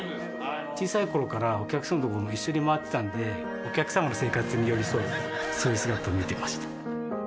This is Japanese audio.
小さい頃からお客様の所を一緒に回ってたんでお客様の生活に寄り添うそういう姿を見ていました